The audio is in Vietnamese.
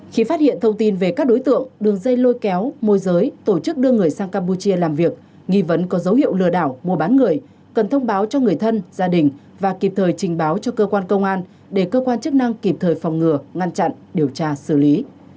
khi phát hiện thông tin về các đối tượng đường dây lôi kéo môi giới tổ chức đưa người sang campuchia làm việc nghi vấn có dấu hiệu lừa đảo mua bán người cần thông báo cho người thân gia đình và kịp thời trình báo cho cơ quan công an để cơ quan chức năng kịp thời phòng ngừa ngăn chặn điều tra xử lý